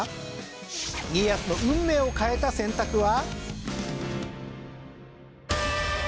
家康の運命を変えた選択は。